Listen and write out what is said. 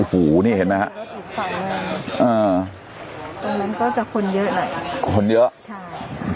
หูนี่เห็นไหมฮะอ่าตรงนั้นก็จะคนเยอะแหละคนเยอะใช่